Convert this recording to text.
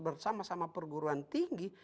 bersama sama perguruan tinggi